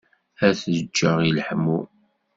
Ad t-ǧǧeɣ i leḥmu.